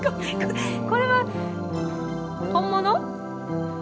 これは本物？